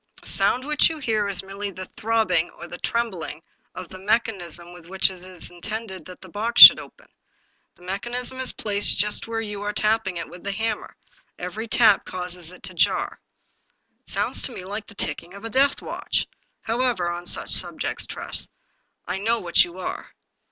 " The sound which you hear is merely the throbbing or the trembling of the mechanism with which it is intended that the box should be opened. The mechanism is placed just where you are tapping it with the hammer. Every tap causes it to jar." " It sounds to me like the ticking of a deathwatch.. However, on such subjects. Tress, I know what you are."